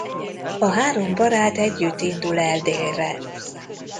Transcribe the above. A három barát együtt indul el délre.